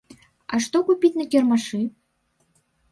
А што купіць на кірмашы?